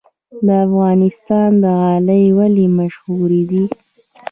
د افغانستان غالۍ ولې مشهورې دي؟